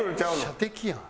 射的やん。